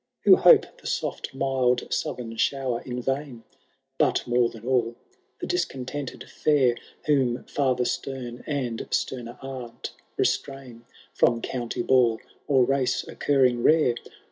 Who hope the soft mild southern shower in vain ; But, more than all, the discontented fidr. Whom fiither stem, and stemer aunt, restrain From county ball, or race occurring rare.